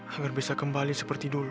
agar bisa kembali seperti dulu